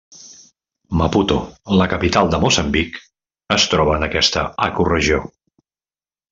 Maputo, la capital de Moçambic, es troba en aquesta ecoregió.